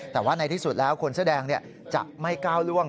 แต่ว่าในที่สุดแล้วคนเสื้อแดงจะไม่ก้าวล่วง